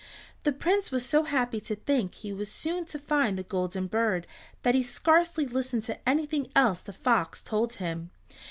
The Prince was so happy to think he was soon to find the Golden Bird that he scarcely listened to anything else the fox told him.